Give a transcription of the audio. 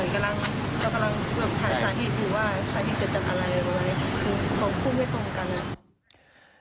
คือสองผู้ไม่ตรงกัน